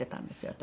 私。